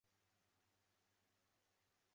吕特里位于莱芒湖东北岸。